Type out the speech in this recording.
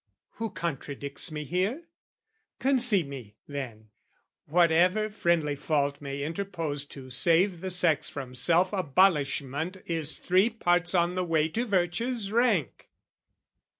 Who contradicts me here? Concede me, then, Whatever friendly fault may interpose To save the sex from self abolishment Is three parts on the way to virtue's rank!